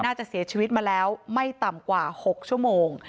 น่าจะเสียชีวิตมาแล้วไม่ต่ำกว่า๖ชั่วโมง